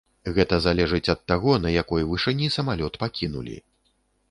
Гэта залежыць ад таго, на якой вышыні самалёт пакінулі.